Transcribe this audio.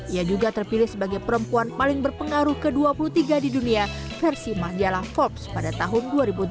ia juga terpilih sebagai perempuan paling berpengaruh ke dua puluh tiga di dunia versi majalah forbes pada tahun dua ribu delapan